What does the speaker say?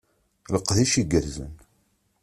Leqdic igerrzen!